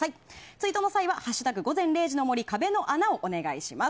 ツイートの際は「＃午前０時の森壁の穴」をお願いします。